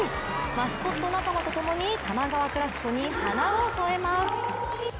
マスコット仲間と共に多摩川クラシコに華を添えます。